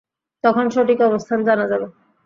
তখন সঠিক অবস্থান জানা যাবে।